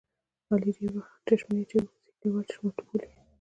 علي ډېری وخت چشمې اچوي اوس یې کلیوال چشماټو بولي.